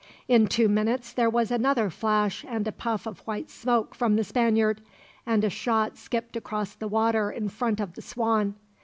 In two minutes there was another flash and a puff of white smoke from the Spaniard, and a shot skipped across the water in front of the Swan.